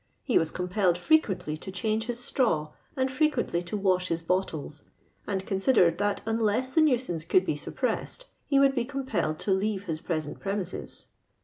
He was compelled fre quently to change his straw, and frequently to wash his bottles, and considered that unless the nuisance could be suppressed, he would be compelled to leave his present premises."